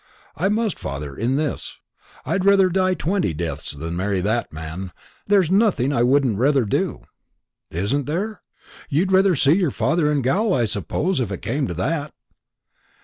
"I must, father, in this. I'd rather die twenty deaths than marry that man. There's nothing I wouldn't rather do." "Isn't there? You'd rather see your father in gaol, I suppose, if it came to that?"